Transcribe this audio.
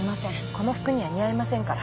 この服には似合いませんから。